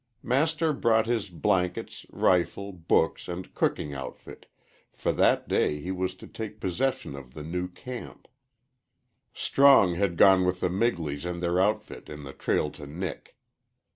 Master brought his blankets, rifle, books, and cooking outfit, for that day he was to take possession of the new camp. Strong had gone with the Migleys and their outfit in the trail to Nick.